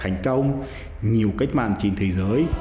hành công nhiều cách mạng trên thế giới